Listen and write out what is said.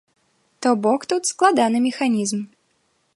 То бок тут складаны механізм.